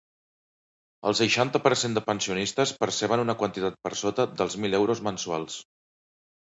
El seixanta per cent de pensionistes perceben una quantitat per sota dels mil euros mensuals.